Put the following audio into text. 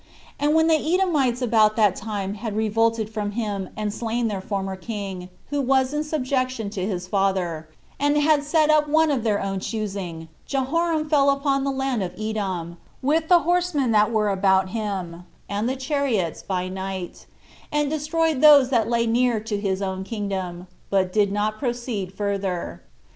And when the Edomites about that time had revolted from him, and slain their former king, who was in subjection to his father, and had set up one of their own choosing, Jehoram fell upon the land of Edom, with the horsemen that were about him, and the chariots, by night, and destroyed those that lay near to his own kingdom, but did not proceed further.